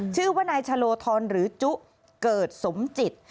ชื่อว่านายชะโลธรหรือจุเกิดสมจิต